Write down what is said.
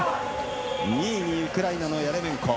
２位にウクライナのヤレメンコ。